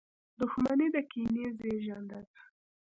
• دښمني د کینې زېږنده ده.